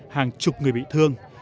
hàng chục người bị thương